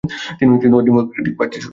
তিনি ডেমোক্রেটিক পার্টির সদস্য ছিলেন।